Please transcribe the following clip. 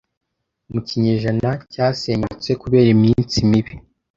mu kinyejana cyasenyutse kubera iminsi mibi